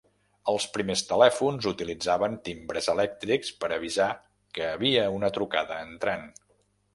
Els primers telèfons utilitzaven timbres elèctrics per avisar que havia una trucada entrant.